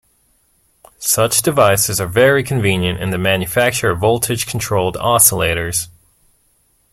Such devices are very convenient in the manufacture of voltage-controlled oscillators.